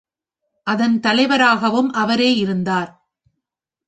அதன் தலைவராகவும் அவரே இருந்தார்.